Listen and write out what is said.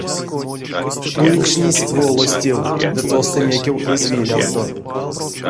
Туекшнесь волостев ды тосто мекев эзь велявто.